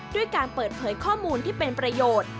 ด้วยการเปิดเผยข้อมูลที่เป็นประโยชน์